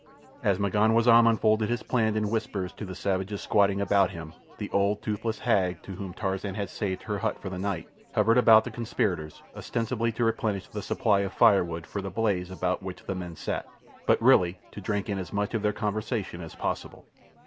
As M'ganwazam unfolded his plan in whispers to the savages squatting about him the old, toothless hag, to whom Tarzan had saved her hut for the night, hovered about the conspirators ostensibly to replenish the supply of firewood for the blaze about which the men sat, but really to drink in as much of their conversation as possible.